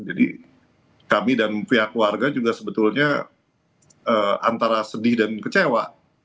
jadi kami dan pihak keluarga juga sebetulnya antara sedih dan kecewa